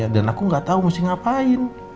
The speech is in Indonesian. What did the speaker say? dan aku gak tau mesti ngapain